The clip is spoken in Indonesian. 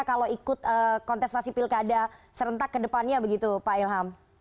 kalau ikut kontestasi pilkada serentak ke depannya begitu pak ilham